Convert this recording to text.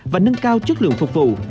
và nâng cao chất lượng phục vụ